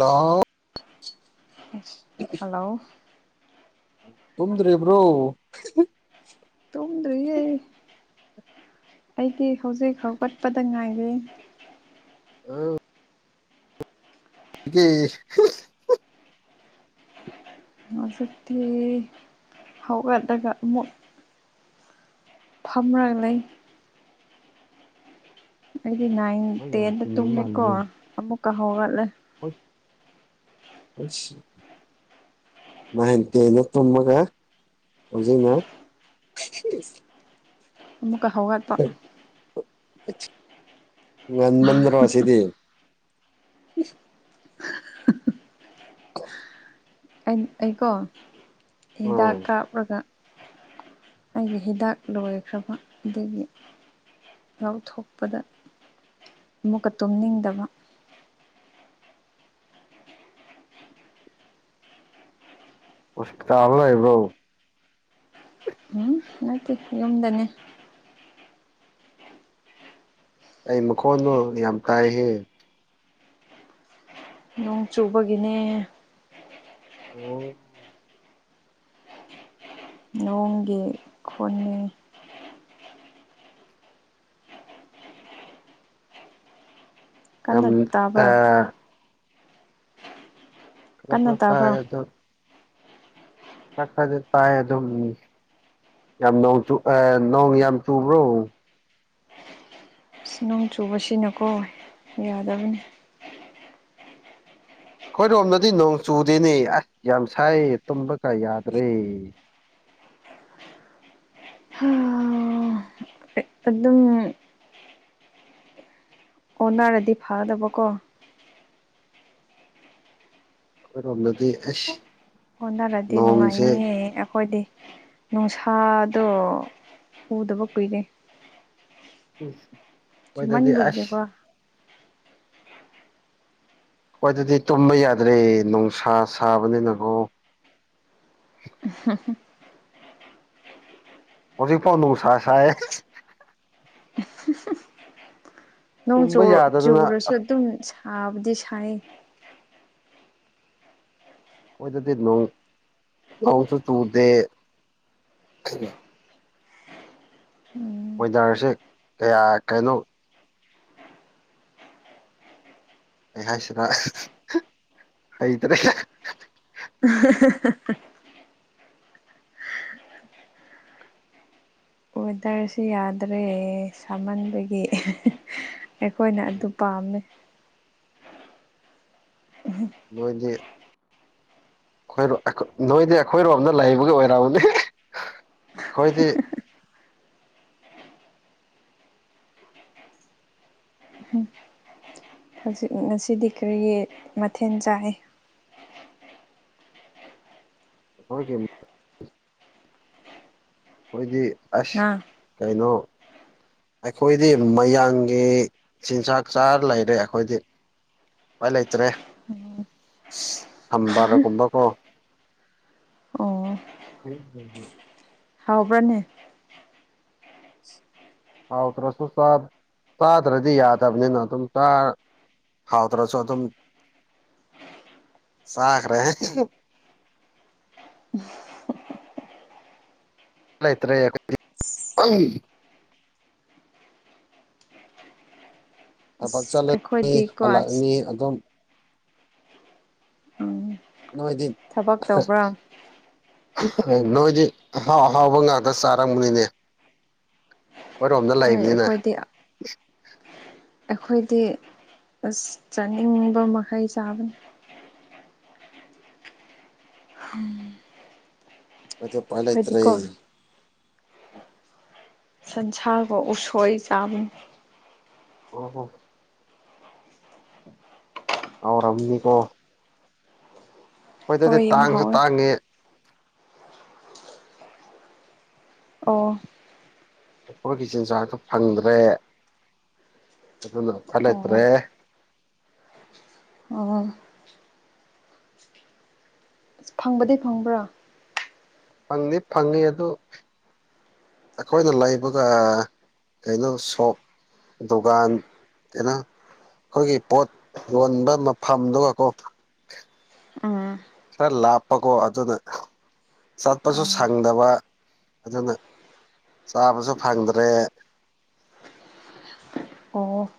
ꯂꯣ ꯏꯁ ꯍꯜꯂꯣ ꯇꯨꯝꯗ꯭ꯔꯤꯕ꯭ꯔꯣ ꯇꯨꯝꯗ꯭ꯔꯤꯌꯦ ꯑꯩꯗꯤ ꯍꯧꯖꯤꯛ ꯍꯧꯒꯠꯄꯗ ꯉꯥꯏꯔꯤ [unintelligible] [inaudible] ꯍꯧꯖꯤꯛꯇꯤ ꯍꯧꯒꯠꯂꯒ ꯑꯃꯨꯛ ꯐꯝꯔꯥꯒ ꯂꯩ ꯑꯩꯗꯤ ꯅꯥꯏꯟ ꯍꯣꯏ ꯌꯥꯝ ꯇꯦꯟꯗ ꯇꯨꯝꯕ ꯇꯨꯝꯃꯦꯀꯣ ꯑꯃꯨꯛꯀ ꯍꯧꯒꯠꯂꯦ ꯁꯤ ꯅꯥꯢꯟ ꯇꯦꯟꯗ ꯇꯨꯝꯃꯒ ꯍꯧꯖꯤꯛ ꯅ ꯑꯃꯨꯛꯀ ꯍꯧꯒꯠꯄ ꯉꯟ ꯃꯟꯗꯔꯣ ꯁꯤꯗꯤ [unintelligible] ꯎꯝ ꯑꯩꯀꯣ ꯍꯤꯗꯥꯛ ꯎꯝ ꯀꯥꯞꯔꯒ ꯑꯩꯒꯤ ꯍꯤꯗꯥꯛ ꯂꯣꯏꯈ꯭ꯔꯕ ꯑꯗꯨꯒꯤ ꯂꯧꯊꯣꯛꯄꯗ ꯑꯃꯨꯛꯀ ꯇꯨꯝꯅꯤꯡꯗꯕ ꯍꯣꯁꯄꯤꯇꯥꯜꯗ ꯂꯩꯕ꯭ꯔ‌ꯣ ꯎꯝ ꯅꯠꯇꯦ ꯌꯨꯝꯗꯅꯦ ꯀꯩ ꯃꯈꯣꯟꯅꯣ ꯌꯥꯝ ꯇꯥꯏꯍ‌ꯦ ꯅꯣꯡ ꯆꯨꯕꯒꯤꯅꯦ ꯑꯣ ꯅꯣꯡꯒꯤ ꯈꯣꯟꯅ‌ꯦ ꯌꯥꯝ ꯀꯟꯅ ꯇꯥꯕ꯭ꯔꯥ ꯑꯥ ꯈ꯭ꯔꯛ ꯀꯟꯅ ꯈ꯭ꯔꯛ ꯇꯥꯕ꯭ꯔꯥ ꯇꯥꯏ ꯑꯗ‌ꯣ ꯈꯔ ꯈ꯭ꯔꯗꯤ ꯇꯥꯏ ꯑꯗꯨꯝ ꯌꯥꯝ ꯅꯣꯡ ꯆꯨ ꯑꯥ ꯅꯣꯡ ꯌꯥꯝ ꯆꯨꯕ꯭ꯔꯣ ꯑꯁ ꯅꯣꯡ ꯆꯨꯕꯁꯤꯅꯀꯣ ꯌꯥꯗꯕꯅꯤ ꯑꯩꯈ‌ꯣꯏꯔꯣꯝꯗꯗꯤ ꯅꯣꯡ ꯆꯨꯗꯦꯅꯦ ꯑꯁ ꯌꯥꯝ ꯁꯥꯏ ꯇꯨꯝꯕꯀ ꯌꯥꯗ꯭ꯔꯦ ꯑꯗꯨꯝ ꯑꯣꯟꯅꯔꯗꯤ ꯐꯗꯕꯀꯣ ꯈ‌ꯣꯏꯔ‌ꯣꯝꯗꯗꯤ ꯑꯦꯁ ꯑꯣꯟꯅꯔꯗꯤ ꯅꯨꯡꯉꯥꯏꯅꯤꯌ‌ꯦ ꯑꯩꯈꯣꯏꯗꯤ ꯅꯨꯡꯁꯥꯗꯣ ꯎꯗꯕ ꯀꯨꯏꯔꯦ ꯋ‌ꯦꯗꯔꯗꯤ ꯑꯁ ꯆꯨꯝꯃꯟꯕꯒꯤꯀꯣ ꯋ‌ꯦꯗꯔꯗꯤ ꯇꯨꯝꯕ ꯌꯥꯗ꯭ꯔꯦ ꯅꯨꯡꯁꯥ ꯁꯥꯕꯅꯤꯅꯀꯣ [unintelligible] ꯍꯧꯖꯤꯛꯐꯥꯎ ꯅꯨꯡꯁꯥ ꯁꯥꯏꯌꯦ ꯅꯣꯡ ꯆꯨ ꯇꯨꯝꯕ ꯌꯥꯗꯗꯅ ꯆꯨꯔꯁꯨ ꯑꯗꯨꯝ ꯁꯥꯕꯗꯤ ꯁꯥꯏꯌꯦ ꯑꯩꯈꯣꯏꯗꯗꯤ ꯅꯣꯡ ꯅꯣꯡꯁꯨ ꯆꯨꯗꯦ ꯎꯝ ꯋ‌ꯦꯗꯔꯁꯦ ꯀꯌꯥ ꯀꯩꯅꯣ ꯑꯩ ꯍꯥꯏꯁꯤꯔꯥ ꯍꯩꯇ꯭ꯔꯦ [unintelligible] ꯋꯦꯗꯔꯁꯤ ꯌꯥꯗ꯭ꯔꯦ ꯁꯥꯃꯟꯕꯒꯤ ꯑꯩꯈꯣꯏꯅ ꯑꯗꯨ ꯄꯥꯝꯃ‌ꯦ ꯅꯣꯏꯗꯤ ꯈ‌ꯣꯏꯔ‌ꯣ ꯑꯩꯈꯣꯏ ꯅꯣꯏꯗꯤ ꯑꯩꯈꯣꯏꯔꯣꯝꯗ ꯂꯩꯕꯒꯤ ꯑꯣꯏꯔꯝꯅꯤ ꯈꯣꯏꯗꯤ ꯍꯧꯖꯤꯛ ꯉꯁꯤꯗꯤ ꯀꯔꯤꯒꯤ ꯃꯊꯦꯟ ꯆꯥꯏ ꯑꯈꫭꯏꯒꯤꯃꯤ ꯑꯩꯈꯣꯏꯗꯤ ꯑꯁ ꯉꯥ ꯀꯩꯅꯣ ꯑꯩꯈꯣꯏꯗꯤ ꯃꯌꯥꯡꯒꯤ ꯆꯤꯟꯖꯥꯛ ꯆꯥꯔ ꯂꯩꯔꯦ ꯑꯩꯈꯣꯏꯗꯤ ꯥꯏ ꯂꯩꯇ꯭ꯔꯦ ꯁꯝꯕꯔꯒꯨꯝꯕ ꯀꯣ ꯑꯣ ꯑꯩ ꯍꯨꯝ ꯍꯨꯝ ꯍꯥꯎꯕ꯭ꯔꯅꯦ ꯍꯥꯎꯗ꯭ꯔꯁꯨ ꯆꯥꯗ꯭ꯔꯗꯤ ꯌꯥꯗꯕꯅꯤꯅ ꯑꯗꯨꯝ ꯍꯥꯎꯇ꯭ꯔꯁꯨ ꯑꯗꯨꯝ ꯆꯥꯈ꯭ꯔꯦ [unintelligible] ꯂꯩꯥꯇ꯭ꯔꯦ [unintelligible] ꯊꯕꯛ ꯑꯁ ꯆꯠꯂꯅꯤ ꯑꯩꯈꯣꯏꯗꯤꯀꯣ ꯍꯜꯂꯛꯑꯅꯤ ꯑꯗꯨꯝ ꯎꯝ ꯅꯣꯏꯗꯤ ꯊꯕꯛ ꯇꯧꯕ꯭ꯔꯥ ꯅꯣꯏꯗꯤ ꯑꯍꯥꯎ ꯑꯍꯥꯎꯕ ꯉꯥꯛꯇ ꯆꯥꯔꯝꯒꯅꯤꯅꯦ ꯑꯩꯈꯣꯏꯔꯣꯝꯗ ꯍꯣꯏ ꯂꯩꯕꯅꯤꯅ ꯑꯩꯈꯣꯏꯗꯤ ꯑꯩꯈꯣꯏꯗꯤ ꯑꯁ ꯆꯥꯅꯤꯡꯕ ꯃꯈꯩ ꯆꯥꯕꯅꯤ ꯑꯗꯨ ꯎꯄꯥꯏ ꯑꯩꯈꯣꯏꯗꯤꯀꯣ ꯂꯩꯇ꯭ꯔ‌ꯦ ꯁꯟꯁꯥꯒ ꯎꯁꯣꯏ ꯆꯥꯕꯅꯤ ꯑꯣ ꯍꯣ ꯑꯥꯎꯔꯝꯅꯤꯀꯣ ꯍꫭꯏ ꯑꯗꯨꯗꯤ ꯍꯣꯏ ꯌꯥꯝ ꯇꯥꯡꯖꯨ ꯍꯥꯎꯋꯦ ꯇꯥꯡꯉꯦ ꯑꯣ ꯑꯩꯈꯣꯏꯒꯤ ꯆꯤꯟꯖꯥꯛꯇ ꯐꯪꯗ꯭ꯔꯦ ꯑꯗꯨꯅ ꯑꯝꯐ ꯂꯩꯇ꯭ꯔꯦ ꯑꯣ ꯑꯣ ꯑꯁ ꯐꯪꯕꯗꯤꯩ ꯐꯪꯕ꯭ꯔꯥ ꯐꯪꯗꯤ ꯐꯪꯉꯤ ꯑꯗꯨ ꯑꯩꯈꯣꯏꯅ ꯂꯩꯕꯒ ꯀꯩꯅꯣ ꯁꯣꯞ ꯗꯨꯀꯥꯟ ꯀꯩꯅꫭ ꯑꯩꯈꯣꯏꯒꯤ ꯄꯣꯠ ꯌꯣꯟꯕ ꯃꯐꯝꯗꯨꯒꯀꯣ ꯎꯝ ꯈꯔ ꯂꯥꯞꯄꯀꯣ ꯑꯗꯨꯅ ꯆꯠꯄꯁꯨ ꯑꯥ ꯁꯪꯗꯕ ꯑꯗꯨꯅ ꯆꯥꯕꯁꯨ ꯐꯪꯗ꯭ꯔꯦ ꯑꯣꯐ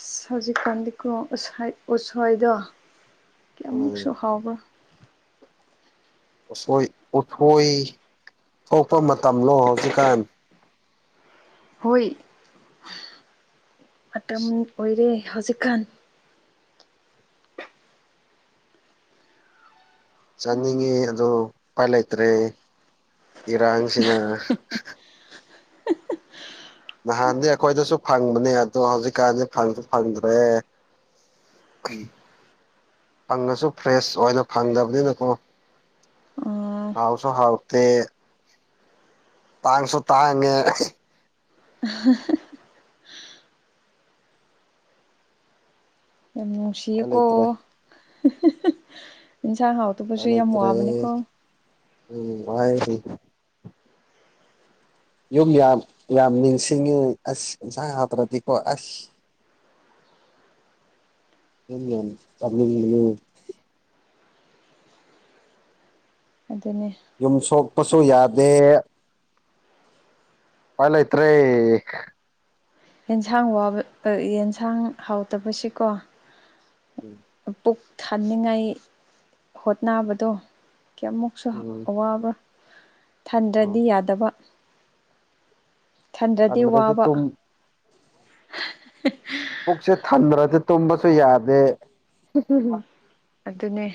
ꯑꯁ ꯍꯧꯖꯤꯛꯀꯥꯟꯗꯤꯀꯣ ꯎꯁ ꯎꯁꯣꯏꯗꯣ ꯀꯌꯥꯃꯨꯛꯁꯨ ꯎꯝ ꯍꯥꯎꯕ꯭ꯔꯥ ꯎꯁꯣꯏ ꯎꯊꯣꯏ ꯊꯣꯛꯄ ꯃꯇꯝꯂꯣ ꯍꯧꯖꯤꯛꯀꯥꯟ ꯍꯣꯏ ꯃꯇꯝ ꯑꯣꯏꯔꯦ ꯍꯧꯖꯤꯛꯀꯥꯟ ꯆꯥꯅꯤꯡꯉꯤ ꯑ ꯎꯄꯥꯏ ꯂꯩꯇ꯭ꯔꯦ ꯏꯔꯥꯡꯁꯤꯅ ꯅꯍꯥꯟꯗꯤ ꯑꯩꯈꯣꯏꯗꯁꯨ ꯐꯪꯕꯅꯦ ꯑꯗꯣ ꯍꯧꯖꯤꯛꯀꯥꯟꯗꯤ ꯐꯪꯁꯨ ꯐꯪꯗ꯭ꯔꯦ ꯐꯪꯉꯁꯨ ꯐ꯭ꯔꯦꯁ ꯑꯣꯏꯅ ꯐꯪꯗꯕꯅꯤꯅꯀꯣ ꯑꯥ ꯍꯥꯎꯁꯨ ꯍꯥꯎꯠꯇꯦ ꯇꯥꯡꯁꯨ ꯇꯥꯡꯉꯦ ꯑ ꯌꯥꯝ ꯎꯄꯥꯏ ꯅꯨꯡꯁꯤꯌꯦꯀꯣ ꯂꯩꯇ꯭ꯔꯦ ꯑꯗꯨ ꯁꯥꯡ ꯎꯄꯥꯏ ꯕꯨꯁꯨ ꯂꯩꯇ꯭ꯔꯦ ꯌꯥꯝꯃꯨꯕꯅꯤꯀꯣ ꯎꯝ [unintelligible] ꯌꯨꯝ ꯌꯥꯝ ꯌꯥꯝ ꯅꯤꯡꯁꯤꯡꯉꯤ ꯑꯁ ꯌꯦꯟꯁꯥꯡ ꯍꯥꯇ꯭ꯔꯗꯤꯀꯣ ꯑꯁ [unintelligible] ꯌꯦꯟ ꯑ ꯑꯗꯨꯅꯦ ꯌꯨꯝ ꯁꯣꯛꯄꯁꯨ ꯌꯥꯗꯦ ꯎꯄꯥꯏ ꯂꯩꯇ꯭ꯔꯦ ꯌꯦꯟꯁꯥꯡ ꯋꯥꯕ ꯌꯦꯟꯁꯥꯡ ꯍꯥꯎꯇꯕꯁꯤꯀꯣ ꯎꯝ ꯄꯨꯛ ꯊꯥꯅꯤꯡꯉꯥꯏ ꯍꯣꯠꯅꯕꯗꯣ ꯀꯌꯥꯃꯨꯛ ꯁꯨ ꯎꯝ ꯑꯋꯥꯕ ꯎꯝ ꯊꯟꯗ꯭ꯔꯗꯤ ꯌꯥꯗꯕ ꯁꯟꯗ꯭ꯔꯗꯤ ꯊꯟꯗ꯭ꯔꯗꯤ ꯋꯥꯕ ꯇꯨꯝ ꯄꯨꯛꯁꯦ ꯊꯟꯗ꯭ꯔꯗꯤ ꯇꯨꯝꯕꯁꯨ ꯌꯥꯗꯦ ꯑꯗꯨꯅꯦ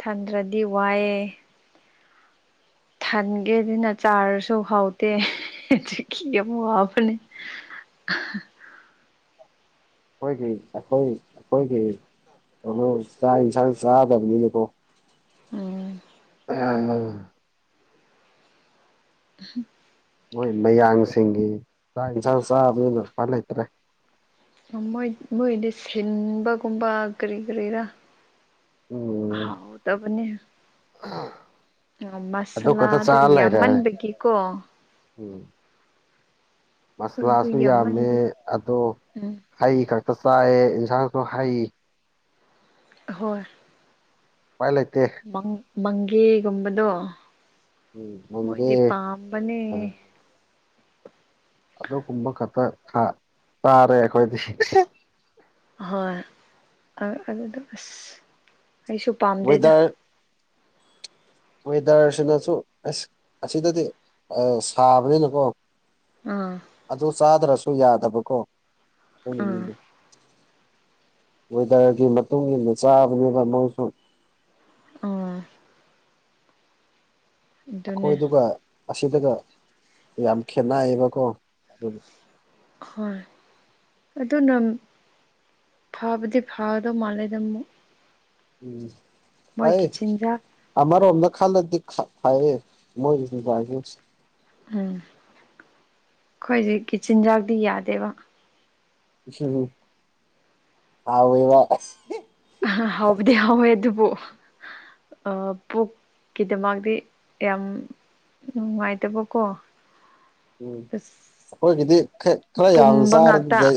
ꯊꯟꯗ꯭ꯔꯗꯤ ꯋꯥꯏꯑꯦ ꯍꯟꯒꯦ ꯑꯗꯨꯅ ꯆꯥꯔꯁꯨ ꯍꯥꯎꯇꯦ ꯆꯈꯤ ꯑꯃ ꯋꯥꯕꯅꯦ [inaudible] ꯑꯩꯈꯣꯏꯒꯤ ꯑꯩꯈꯣꯏ ꯑꯩꯈꯣꯏꯒꯤ ꯍ ꯆꯥꯛ ꯏꯟꯁꯥꯡ ꯆꯥꯗꯕꯅꯤꯀꯣ ꯎꯝ ꯃꯣꯏ ꯃꯌꯥꯡꯁꯤꯡꯒꯤ ꯆꯥꯛ ꯏꯟꯁꯥꯡ ꯆꯥꯕꯗꯨꯅ ꯄꯥꯛ ꯂꯩꯇ꯭ꯔꯦ ꯃꯣꯏ ꯃꯣꯏꯗꯤ ꯁꯤꯟꯕꯒꯨꯝꯕ ꯀꯔꯤ ꯀꯔꯤꯔ ꯎꯝ ꯍꯥꯎ ꯇꯕꯅꯤ ꯑꯣ ꯑꯗꯨ ꯈꯛꯇ ꯃꯁꯂꯥꯗꯣ ꯆꯥꯔ ꯂꯩꯔꯦ ꯌꯥꯝꯃꯟꯕꯒꯤꯀꯣ ꯎꯝ ꯑꯗꯨ ꯃꯁꯂꯥꯁꯨ ꯌꯥꯝꯃꯦ ꯌꯥꯝꯃꯟꯕꯩ ꯑꯗꯣ ꯎꯝ ꯍꯩ ꯈꯛꯇ ꯆꯥꯏꯑ ꯌꯦꯟꯁꯥꯡꯁꯨ ꯍꯩ ꯍꯣꯏ ꯎꯄꯥꯏ ꯂꯩꯇꯦ ꯃꯪꯒꯦꯒꯨꯝꯕꯗꯣ ꯎꯝ ꯅꯪꯗꯤ ꯃꯣꯏꯗꯤ ꯄꯥꯝꯕꯅꯦ ꯑ ꯑꯗꯨꯒꯨꯝꯕ ꯈꯛꯇ ꯆꯥꯔꯦ ꯑꯩꯈꯣꯏꯗꯤ ꯑꯍꯣꯏ ꯑꯗꯨꯗꯣ ꯑꯁ ꯑꯩꯁꯨ ꯄꯥꯝꯗꯦꯗ ꯋꯦꯗꯔ ꯋꯦꯗꯔꯁꯤꯅꯁꯨ ꯑꯁ ꯑꯁꯤꯗꯗꯤ ꯁꯥꯕꯅꯤꯅꯀꯣ ꯎꯝ ꯑꯗꯨ ꯆꯥꯗ꯭ꯔꯁꯨ ꯌꯥꯗꯕꯀꯣ ꯑꯗꯨ ꯑꯥ ꯋꯦꯗꯔꯒꯤ ꯃꯇꯨꯡ ꯏꯟꯅ ꯆꯥꯕꯅꯦꯕ ꯃꯣꯏꯁꯨ ꯑꯥ ꯑꯗꯨꯅꯦ ꯑꯩꯈꯣꯏꯗꯨꯒ ꯑꯁꯤꯗꯨꯒ ꯌꯥꯝ ꯈꯦꯠꯅꯩꯌꯦꯕꯀꯣ ꯑꯗꯨꯒꯤ ꯍꯣꯏ ꯑꯗꯨꯅ ꯐꯥꯕꯗꯤ ꯐꯥꯗꯧ ꯃꯥꯜꯂꯤꯗ ꯃꯨꯛ ꯎꯝ ꯇꯥꯏꯌꯦ ꯆꯤꯟꯖꯥꯛ ꯑꯃꯔꯣꯝꯗ ꯈꯜꯂꯗꯤ ꯐꯩꯌꯦ ꯃꯣꯏꯒꯤꯁꯨ ꯎꯝ ꯑꯩꯈꯣꯏꯖꯤ ꯀꯆꯤꯟꯖꯥꯛꯇꯤ ꯌꯥꯗꯦꯕ ꯎ ꯍꯥꯎ ꯏꯕ ꯑꯍꯥ ꯍꯥꯎꯕꯨꯗꯤ ꯍꯥꯎꯋꯦ ꯑꯗꯨꯕꯨ ꯄꯨꯛꯀꯤꯗꯃꯗꯤꯤ ꯌꯥꯝ ꯎꯝꯉꯥꯏꯇ ꯄꯣꯀꯣ ꯎꯝ ꯑꯩꯈꯣꯏꯒꯤꯗꯤ ꯈꯔ ꯈꯔ ꯌꯥꯝ ꯄꯨꯝꯕ ꯉꯥꯛꯇ ꯆꯥꯔꯗꯨꯗꯩ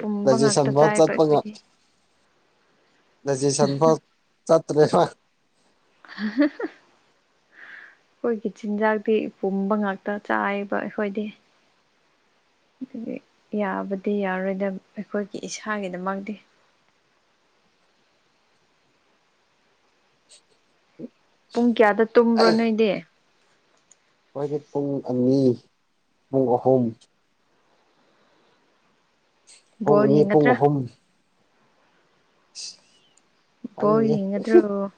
ꯄꯨꯝꯕ ꯉꯥꯛꯇ ꯔꯥꯖꯦꯁꯟꯕꯧ ꯆꯥꯏꯕ ꯆꯠꯄꯒ ꯑꯩꯈꯣꯏꯗꯤ ꯅꯖꯤ ꯁꯟꯕꯥꯎ ꯆꯠꯇ꯭ꯔꯦꯗ [inaudible] ꯑꯩꯈꯣꯏꯒꯤ ꯆꯤꯟꯖꯥꯛꯇꯤ ꯄꯨꯝꯕ ꯉꯥꯛꯇ ꯆꯥꯏꯕ ꯑꯩꯈꯣꯏꯗꯤ ꯑꯗꯒꯤ ꯌꯥꯕꯗꯤ ꯌꯥꯔꯣꯏꯗꯕ ꯑꯩꯈꯣꯏꯒꯤ ꯏꯁꯥꯒꯤꯗꯃꯛꯇꯤ ꯄꯨꯡ ꯀꯌꯥꯗ ꯇꯨꯝꯕ꯭ꯔꯣ ꯅꯣꯏꯗꯤ ꯑꯩꯣꯏꯗꯤ ꯄꯨꯡ ꯑꯅꯤ ꯄꯨꯡ ꯑꯍꯨꯝ ꯄꯨꯡ ꯕꯣꯜ ꯑꯅꯤ ꯄꯨꯡ ꯌꯦꯡꯒꯗ꯭ꯔꯥ ꯑꯍꯨꯝ ꯅꯟ ꯕꯣꯜ ꯌꯦꯡꯒꯗ꯭ꯔꯣ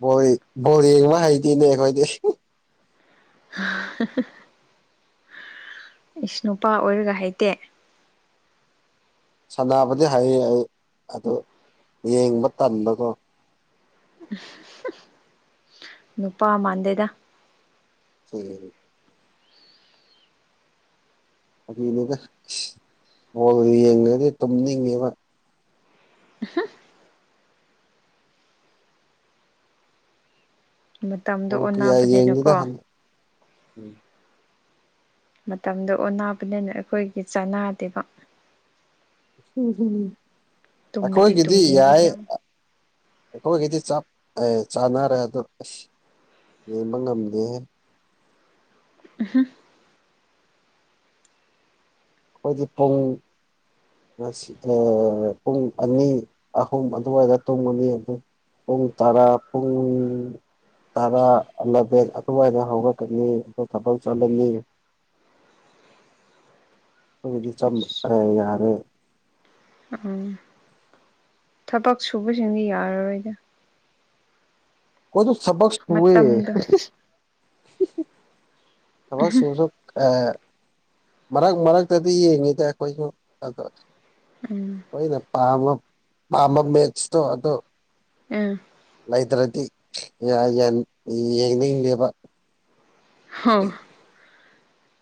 ꯕ ꯕꯣꯔꯦꯡꯅ ꯍꯩꯗꯤꯅꯦ ꯑꯩꯈꯣꯏꯗꯤ ꯏꯁ ꯅꯨꯨꯄꯥ ꯑꯣꯏꯔꯒ ꯍꯩꯇꯦ ꯁꯥꯟꯅꯕꯗꯤ ꯍꯥꯏꯌꯦ ꯑꯩ ꯑꯗꯨ ꯌꯦꯡꯕ ꯇꯟꯕꯗꯣ ꯅꯨꯄꯥ ꯃꯥꯟꯗꯦꯗ ꯁꯣꯏ ꯗꯨꯒ ꯍꯣꯏ ꯌꯦꯡꯉꯗꯤ ꯇꯨꯝꯅꯤꯡꯉꯦꯕ ꯃꯇꯝꯗꯣ ꯕꯣꯜ ꯀꯌꯥ ꯑꯣꯟꯅꯕꯅꯤꯅꯀꯣ ꯌꯦꯡꯗꯦꯗ ꯍꯟꯗꯛ ꯃꯇꯝꯗ ꯑꯣꯟꯅꯕꯅꯦꯅ ꯑꯩꯈꯣꯏꯒꯤ ꯆꯅꯥꯗꯦꯕ ꯇꯨꯝꯕꯗꯤ ꯑꯩꯈꯣꯏꯒꯤꯗꯤ ꯇꯨꯝꯅꯤꯡꯉꯦ ꯌꯥꯏ ꯌꯥꯝ ꯑꯩꯈꯣꯏꯒꯤꯗꯤ ꯆꯞ ꯑꯦ ꯆꯥꯅꯔꯦ ꯑꯗꯣ ꯑꯁ ꯌꯦꯡꯕ ꯉꯝꯗꯦ ꯑ ꯑꯩꯈꯣꯏꯗꯤ ꯄꯨꯡ ꯄꯨꯡ ꯑꯅꯤ ꯑꯍꯨꯝ ꯑꯗꯨꯋꯥꯏꯗ ꯇꯨꯝꯉꯅꯤ ꯑꯗꯨ ꯨꯡ ꯇꯥ ꯄꯨꯡ ꯇꯔꯥꯂꯕꯦꯟ ꯑꯗꯨꯃꯥꯏꯅ ꯍꯧꯔꯛꯀꯅꯤ ꯑꯗꯨ ꯊꯕꯛ ꯆꯠꯂꯅꯤ ꯑꯩꯈꯣꯏꯒꯤꯗꯤ ꯆꯦ ꯌꯥꯔꯦ ꯎꯝ ꯊꯕꯛ ꯁꯨꯕꯁꯤꯡꯗꯤ ꯌꯥꯔꯔꯣꯏꯗ ꯀꯣꯏꯁꯨ ꯁꯕꯛ ꯍꯏ ꯃꯇꯝꯗꯣ ꯊꯕ ꯁꯁꯨ ꯃꯔꯛ ꯃꯔꯛꯇꯗꯤ ꯌꯦꯡꯉꯤꯗ ꯑꯩꯈꯣꯏꯁꯨ ꯑ ꯎꯝ ꯑꯩꯣꯏꯅ ꯄꯥꯝꯕ ꯄꯥꯝꯕ ꯃꯦꯠꯁꯇꯣ ꯑꯗꯣ ꯑꯝ ꯂꯩꯇ꯭ꯔꯗꯤ ꯌꯦꯡꯅꯤꯡꯗꯦꯕ ꯍ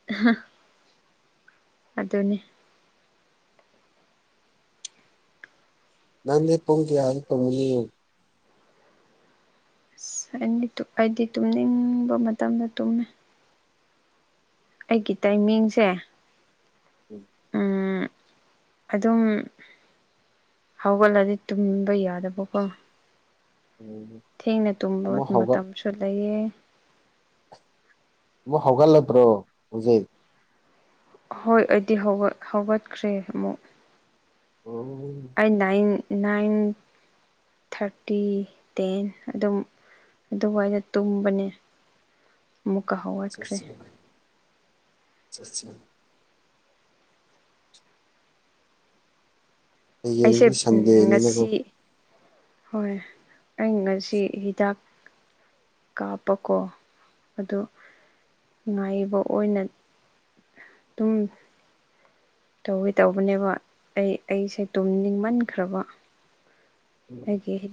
ꯍꯥ ꯑꯗꯨꯅꯤ ꯅꯪꯦ ꯄꯨꯡꯒ ꯌꯥꯔ ꯇꯅꯤ ꯑꯁ ꯑꯩꯗꯤ ꯇꯨꯝꯅꯤꯡꯕ ꯃꯇꯝꯗ ꯇꯨꯝꯃꯦ ꯑꯩꯒꯤ ꯇꯥꯏꯃꯤꯡꯁꯦ ꯎꯝ ꯑꯗꯨꯝ ꯍꯧꯒꯠꯂꯗꯤ ꯇꯨꯝꯕ ꯌꯥꯗꯕꯀꯣ ꯎꯝ ꯊꯦꯡꯅ ꯇꯨꯝꯕ ꯑꯃꯨꯛ ꯍꯧꯒꯠ ꯃꯇꯝꯁꯨ ꯂꯩꯌꯦ ꯃ ꯍꯧꯒꯜ ꯂꯩꯦꯕ꯭ꯔꯣ ꯍꯧ ꯎꯆꯖꯤ ꯍꯣꯏ ꯑꯩꯗꯤ ꯍꯧꯒꯠꯈ꯭ꯔꯦ ꯑꯃꯨꯛ ꯑꯣ ꯑꯩ ꯅꯥꯏꯟ ꯅꯥꯏꯟ ꯊꯥꯔꯇꯤ ꯇꯦꯟ ꯑꯗꯨꯝ ꯑꯗꯨꯋꯥꯏꯗ ꯇꯨꯝꯕꯅꯦ ꯃꯀꯥꯍꯠ ꯁ ꯁꯁꯤꯔꯤ ꯑꯩꯁꯦ ꯍꯌꯦꯡꯗꯤ ꯁꯟꯗꯦꯅꯤꯅꯀꯣ ꯉꯁꯤ ꯍꯣꯏ ꯑꯩ ꯉꯁꯤ ꯍꯤꯗꯥꯛ ꯀꯥꯞꯄꯀꯣ ꯑꯗꯨ ꯉꯥꯏꯕ ꯑꯣꯏꯅ ꯑꯗꯨꯨꯡ ꯇꯧꯋꯤ ꯇꯧꯕꯅꯦꯕ ꯑꯩ ꯑꯩꯁꯦ ꯇꯨꯝ ꯅꯤꯡꯃꯟꯈ꯭ꯔꯕ ꯎꯝ ꯍꯥꯏꯦ